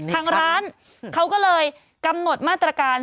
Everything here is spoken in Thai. ทางร้านเขาก็เลยกำหนดมาตรการ